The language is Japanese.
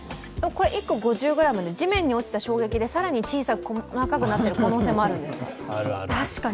これ１個５０ｇで地面に落ちた衝撃で更に小さく細かくなっている可能性もあるんですか？